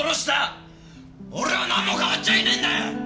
俺はなんも変わっちゃいねえんだよ！